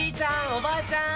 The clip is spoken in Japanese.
おばあちゃん